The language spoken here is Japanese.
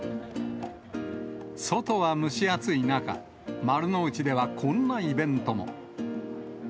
外は蒸し暑い中、丸の内ではこんなイベントも。